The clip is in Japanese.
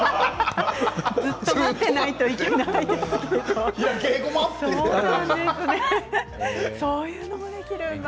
ずっと待っていないといけないんですね。